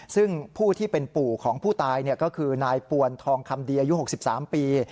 ซึ่งผู้ที่เป็นปู่ของผู้ตายก็คือนายปวนทองคำดีอายุ๖๓ปี